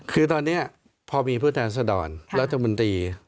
คือตอนนี้พอมีผู้แทนสะดอนรัฐบุญติ